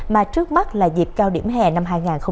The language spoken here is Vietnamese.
mà trước mắt là dịp cao điểm hè năm hai nghìn hai mươi bốn